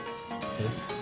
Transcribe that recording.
えっ？